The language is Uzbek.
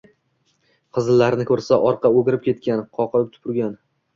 qizillarni ko’rsa, orqa o’girib ketgan, qoqirib tupurgan.